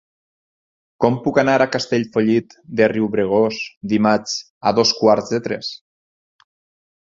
Com puc anar a Castellfollit de Riubregós dimarts a dos quarts de tres?